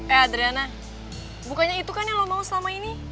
eh adriana bukannya itu kan yang lombang selama ini